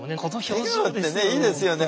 笑顔ってねいいですよね。